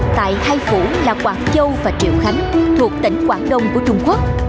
tại hai phủ là quảng châu và triệu khánh thuộc tỉnh quảng đông của trung quốc